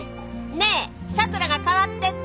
ねえさくらが代わってって！